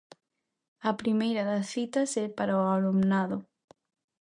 A primeira das citas é para o alumnado.